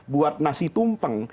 buat nasi tumpeng